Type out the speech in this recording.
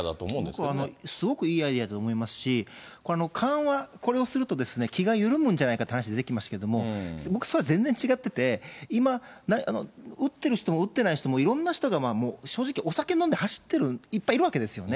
僕はすごくいいアイデアだと思いますし、緩和、これをすると気が緩むんじゃないかっていう話、出てきましたけど、僕、それは全然違ってて、今、打ってる人も打ってない人も、いろんな人が、もう正直お酒飲んで走ってる、いっぱいいるわけですよね。